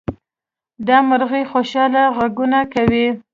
دا مرغۍ خوشحاله غږونه کوي.